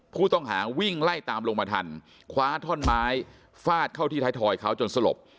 ผู้ต้องหาวิ่งไล่ตามลงมาทันคว้าท่อนไม้ฟาดเข้าที่ไทยทอยเขาจนสลบ